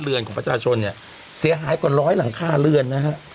เรือนของประชาชนเนี่ยเสียหายกว่าร้อยหลังคาเรือนนะฮะ